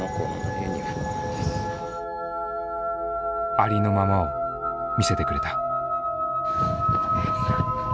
ありのままを見せてくれた。